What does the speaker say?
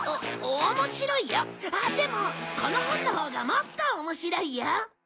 でもこの本のほうがもっと面白いよ！